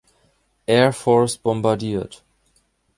Air Force bombardiert.